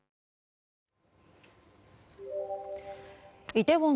イテウォン